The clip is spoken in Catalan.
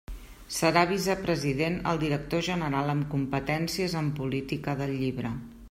Serà vicepresident el director general amb competències en política del llibre.